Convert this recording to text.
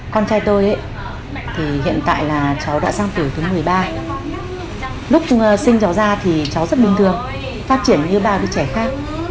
con trai tôi thì hiện tại là cháu đã sang tuổi thứ một mươi ba lúc sinh cháu ra thì cháu rất bình thường phát triển như ba đứa trẻ khác